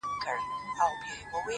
• بس ده ه د غزل الف و با مي کړه؛